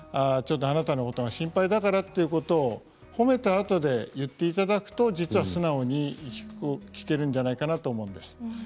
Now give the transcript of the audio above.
ちょっとあなたのことが心配だからということを褒めたあとで言っていただくと実は素直に聞けるんじゃないかなと思います。